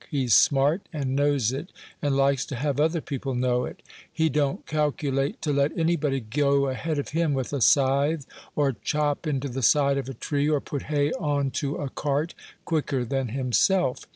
He's smart, and knows it, and likes to have other people know it. He don't calculate to let anybody go ahead of him with a scythe, or chop into the side of a tree, or put hay on to a cart, quicker than himself.